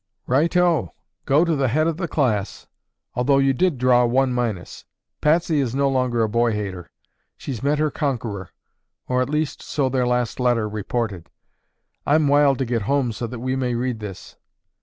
'" "Righto. Go to the head of the class. Although you did draw one minus. Patsy is no longer a boy hater. She's met her conqueror. Or at least so their last letter reported. I'm wild to get home so that we may read this."